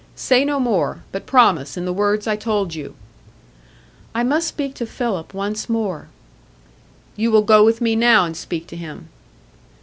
Say no more; but promise, in the words I told you." "I must speak to Philip once more." "You will go with me now and speak to him."